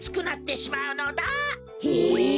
へえ。